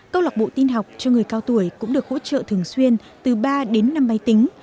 câu lạc bộ tin học cho người cao tuổi cũng được hỗ trợ thường xuyên từ ba đến năm máy tính